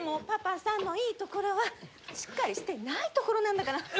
パパさんのいいところはしっかりしてないところなんだから。